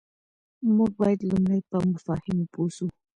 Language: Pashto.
موږ بايد لومړی په مفاهيمو پوه سو.